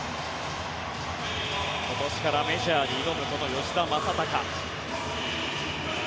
今年からメジャーに挑む吉田正尚。